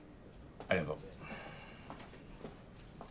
ありがとう。